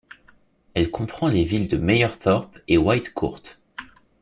Elle comprend les villes de Mayerthorpe et Whitecourt.